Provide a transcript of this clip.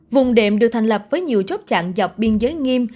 vùng đệm được thành lập với nhiều chốt chặn dọc biên giới nghiêm